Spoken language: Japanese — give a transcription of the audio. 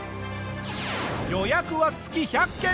予約は月１００件。